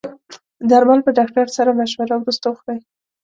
درمل په ډاکټر سره مشوره وروسته وخورئ.